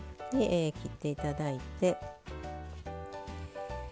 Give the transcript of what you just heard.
切って頂いて。